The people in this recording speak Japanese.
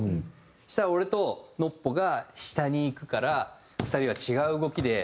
そしたら俺とＮＯＰＰＯが下に行くから２人は違う動きで。